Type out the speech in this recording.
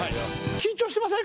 緊張していません？